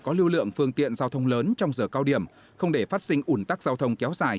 có lưu lượng phương tiện giao thông lớn trong giờ cao điểm không để phát sinh ủn tắc giao thông kéo dài